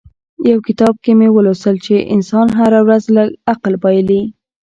يو کتاب کې مې ولوستل چې انسان هره ورځ لږ عقل بايلي.